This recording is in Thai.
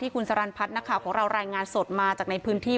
ที่คุณสรรพัดนะครับของเรารายงานสดมาจากในพื้นที่